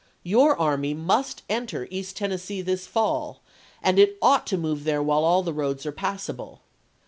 .. Your army must enter East Tennessee this fall and ... it ought to move there while the roads are passable.